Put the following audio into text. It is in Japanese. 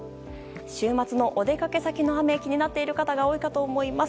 週末のお出かけ先の雨気になっている方多いと思います。